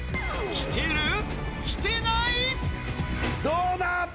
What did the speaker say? どうだ